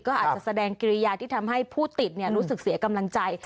ก็อาจจะแสดงกิริยาที่ทำให้ผู้ติดรู้สึกเสียกำลังใจ